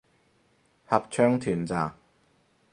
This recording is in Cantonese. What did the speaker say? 合唱團咋